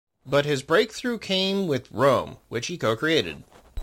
But his breakthrough came with "Rome", which he co-created.